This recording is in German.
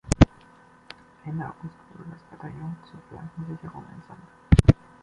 Ende August wurde das Bataillon zur Flankensicherung entsandt.